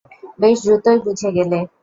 বেশ দ্রুতই বুঝে গেলে।